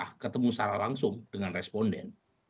kita ketemu secara langsung dengan responden